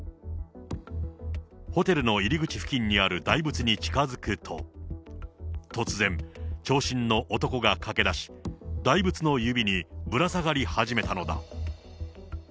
ホテルの入り口付近にある大仏に近づくと、突然、長身の男が駆け出し、大仏の指にぶら下がり始めたのだ。